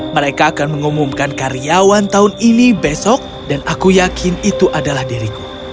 mereka akan mengumumkan karyawan tahun ini besok dan aku yakin itu adalah diriku